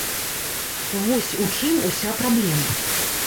Вось у чым уся праблема.